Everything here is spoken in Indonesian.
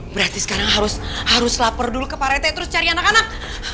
berarti sekarang harus lapor dulu ke parete terus cari anak anak